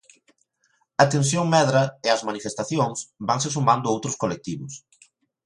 A tensión medra e ás manifestacións vanse sumando outros colectivos.